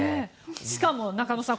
しかも中野さん